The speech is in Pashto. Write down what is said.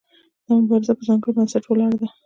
دا مبارزه په ځانګړي بنسټ ولاړه ده.